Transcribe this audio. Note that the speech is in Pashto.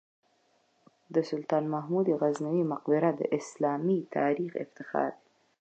د سلطان محمود غزنوي مقبره د اسلامي تاریخ افتخار دی.